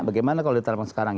bagaimana kalau diterapkan sekarang